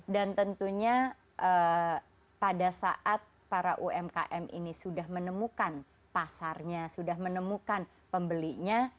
dan tentunya pada saat para umkm ini sudah menemukan pasarnya sudah menemukan pembelinya